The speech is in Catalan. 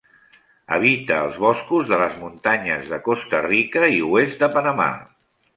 Habita els boscos de les muntanyes de Costa Rica i oest de Panamà.